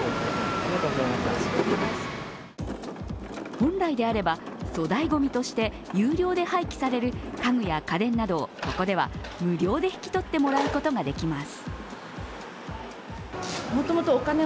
本来であれば粗大ごみとして有料で廃棄される家具や家電などを、ここでは無料で引き取ってもらうことができます。